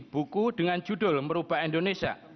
buku dengan judul merubah indonesia